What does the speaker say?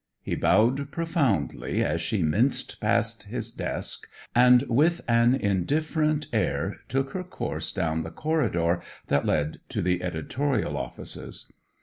He bowed profoundly as she minced past his desk, and with an indifferent air took her course down the corridor that led to the editorial offices.